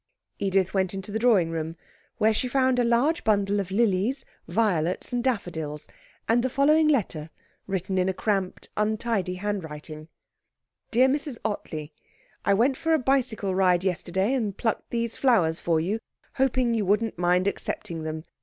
Edith went into the drawing room, where she found a large bundle of lilies, violets, and daffodils, and the following letter, written in a cramped, untidy handwriting: 'DEAR MRS OTTLEY, 'I went for a bicycle ride yesterday and plucked these flowers for you, hoping you wouldn't mind accepting them.